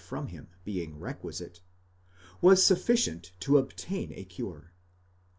from him, being requisite, was sufficient to obtain a cure.